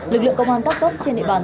lực lượng công an các tốc trên địa bàn